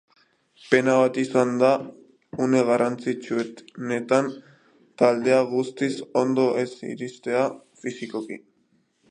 Pena bat izan da une garrantzitsuenetan taldea guztiz ondo ez iristea fisikoki.